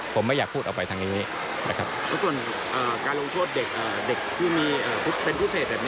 ผมไม่อยากพูดออกไปทางนี้นะครับ